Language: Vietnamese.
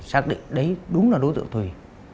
xác định đấy đúng là đối tượng thủy